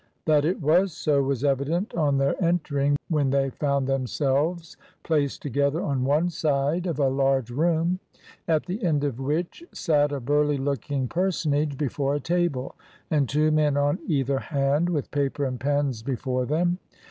That it was so was evident on their entering, when they found themselves placed together on one side of a large room, at the end of which sat a burly looking personage before a table, and two men on either hand, with paper and pens before them.